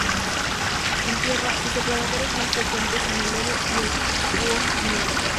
En tierra, sus depredadores más frecuentes son el lobo y el búho nival.